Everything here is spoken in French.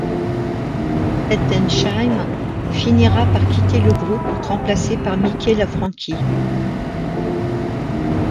Seth Densham finira par quitter le groupe, remplacé par Mikey La Franchi.